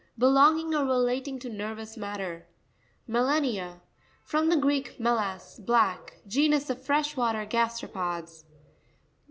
Belonging or relating to nervous matter. Mera'n1a.—From the Greek, melas, black. Genus of fresh water gas teropods.